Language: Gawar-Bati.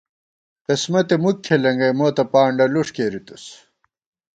قِسمتے مُک کھېلېنگئ مو تہ پانڈہ لُݭ کېری تُس